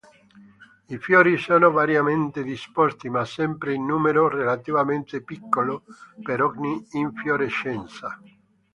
I fiori sono variamente disposti ma sempre in numero relativamente piccolo per ogni infiorescenza.